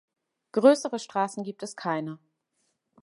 Größere Straßen gibt es keine.